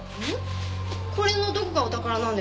これのどこがお宝なんです？